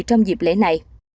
trong dịp lễ này